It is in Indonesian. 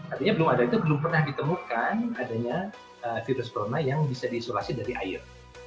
artinya belum ada itu belum pernah ditemukan adanya virus corona yang bisa diisolasi dari air